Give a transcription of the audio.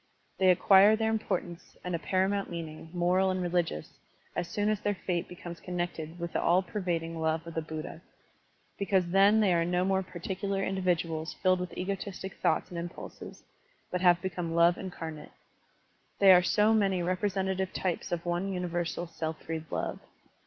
They acquire their importance and a paramotmt mean ing, moral and religious, as soon as their fate becomes connected with the all pervading love of the Buddha, because then they are no more particular individuals filled with egotistic thoughts Digitized by Google 196 SERMONS OP A BUDDHIST ABBOT and imptilses, but have become love incarnate. They are so many representative types of one tmiversal self freed love.